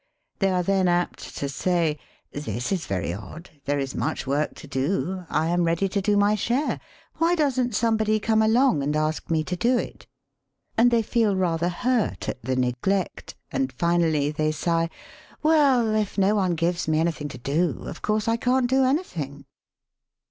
They are then apt to say : "This is very odd. There is much work to do. I am ready to do my share. Why doesn't some body come along and ask me to do it?" And they 25 26 SELF AND SELF MANAGEMENT feel rather hurt at the neglect, and finally they sigh: "Well, if no one gives me anything to do, of course I can't do anything."